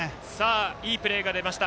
いいプレーが出ました。